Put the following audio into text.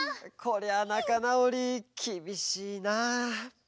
こりゃなかなおりきびしいなあ。